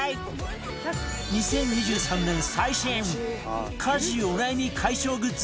２０２３年最新家事お悩み解消グッズ